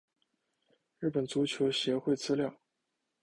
日本足球协会资料